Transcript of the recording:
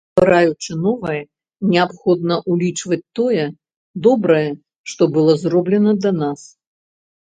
Ствараючы новае, неабходна ўлічваць тое добрае, што было зроблена да нас.